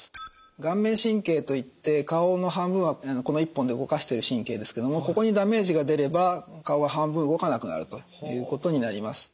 顔面神経といって顔の半分はこの一本で動かしてる神経ですけどもここにダメージが出れば顔が半分動かなくなるということになります。